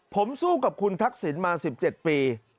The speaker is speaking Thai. ผมสู้กับคุณทักษิณมา๑๗ปี